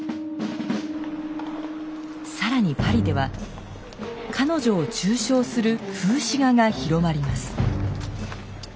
更にパリでは彼女を中傷する風刺画が広まります。